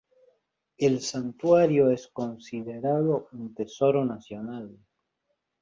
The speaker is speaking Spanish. El santuario es considerado un Tesoro Nacional.